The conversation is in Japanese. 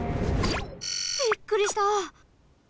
びっくりした。